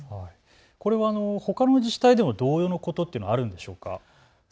これはほかの自治体でも同様のことはあるんですか。